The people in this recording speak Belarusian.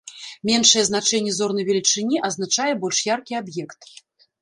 Меншае значэнне зорнай велічыні азначае больш яркі аб'ект.